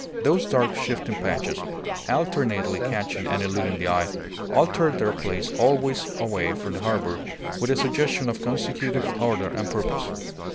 Those dark, shifting patches, alternately catching and eluding the eye, altered their place always away from the harbour, with a suggestion of consecutive order and purpose.